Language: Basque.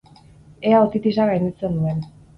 Ea otitisa gainditzen duen!